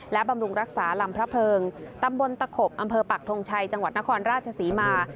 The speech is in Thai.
และบำรุงรักษาลำพระเพิงตำบลตะขบอำเภอปักทงชัยจังหวัดนครราชศรีมา